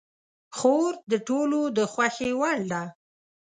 خور د ټولو د خوښې وړ ده.